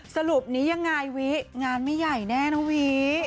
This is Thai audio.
สรุปนี้ยังไงวิงานไม่ใหญ่แน่นะวิ